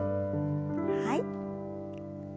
はい。